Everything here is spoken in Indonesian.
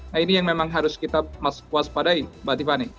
nah ini yang memang harus kita waspadai mbak tiffany